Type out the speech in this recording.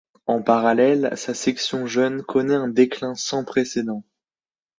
En parallèle, sa section jeunes connait un déclin sans précédent.